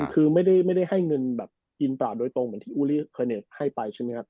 คือไม่ได้ให้เงินแบบอินเปล่าโดยตรงเหมือนที่อูลี่เคยให้ไปใช่ไหมครับ